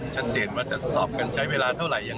ฉันเจนว่าจะสอบกันใช้เวลาเท่าไร